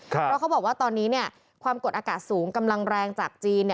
เพราะเขาบอกว่าตอนนี้ความกดอากาศสูงกำลังแรงจากจีน